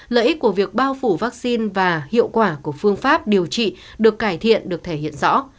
lợi ích của việc bao phủ vaccine và hiệu quả của phương pháp điều trị được cải thiện được thể hiện rõ